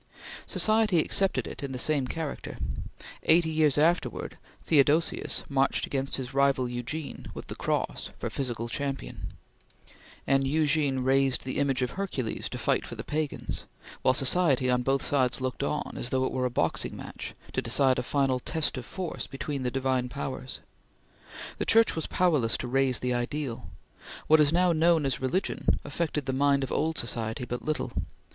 Society accepted it in the same character. Eighty years afterwards, Theodosius marched against his rival Eugene with the Cross for physical champion; and Eugene raised the image of Hercules to fight for the pagans; while society on both sides looked on, as though it were a boxing match, to decide a final test of force between the divine powers. The Church was powerless to raise the ideal. What is now known as religion affected the mind of old society but little.